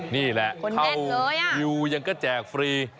นี่แหละเข้าวิวยังก็แจกฟรี